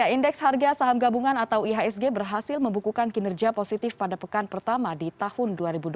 indeks harga saham gabungan atau ihsg berhasil membukukan kinerja positif pada pekan pertama di tahun dua ribu dua puluh